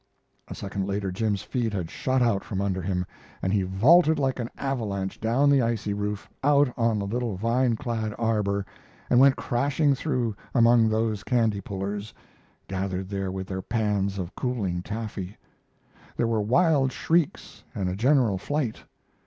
A second later Jim's feet had shot out from under him, and he vaulted like an avalanche down the icy roof out on the little vine clad arbor, and went crashing through among those candypullers, gathered there with their pans of cooling taffy. There were wild shrieks and a general flight.